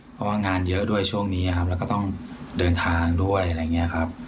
เพราะว่างานเยอะด้วยช่วงนี้ครับแล้วก็ต้องเดินทางด้วยอะไรอย่างนี้ครับ